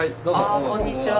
ああこんにちは。